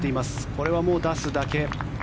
これはもう出すだけ。